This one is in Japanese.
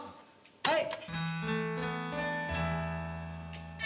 はい。